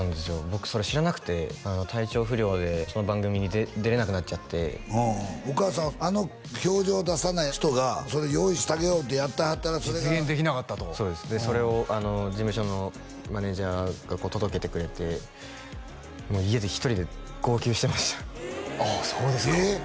僕それ知らなくて体調不良でその番組に出れなくなっちゃってお母さんあの表情出さない人がそれ用意してあげようってやってはったら実現できなかったとそうですそれを事務所のマネージャーが届けてくれてもう家で１人で号泣してましたああそうですかえっ！？